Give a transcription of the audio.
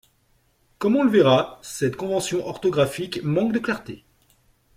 Comme on le verra, cette convention orthographique manque de clarté.